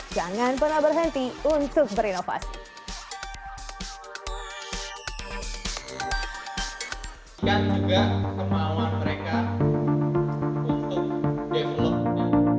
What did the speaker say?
jangan pernah berhenti untuk berinovasi